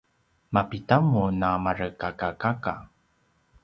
mapida mun a marekakakaka?